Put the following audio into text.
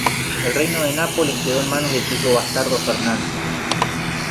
El reino de Nápoles quedó en manos de su hijo bastardo Fernando.